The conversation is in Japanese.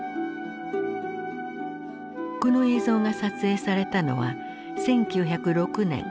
この映像が撮影されたのは１９０６年４月１４日。